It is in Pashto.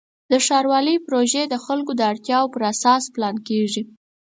د ښاروالۍ پروژې د خلکو د اړتیاوو پر اساس پلان کېږي.